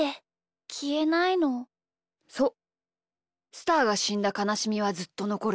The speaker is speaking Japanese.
スターがしんだかなしみはずっとのこる。